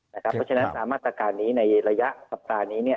เพราะฉะนั้นตามมาตรการนี้ในระยะสัปดาห์นี้